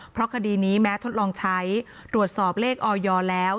เพราะคดีนี้แม้ทดลองใช้ตรวจสอบเลขออยแล้ว